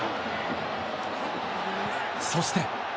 そして。